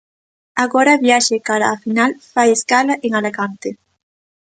Agora a viaxe cara a final fai escala en Alacante.